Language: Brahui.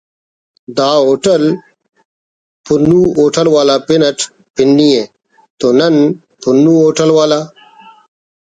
دا ہوٹل ”پنو ہوٹل والا“ نا پن اٹ پنی ءِ تو نن پنو ہوٹل والا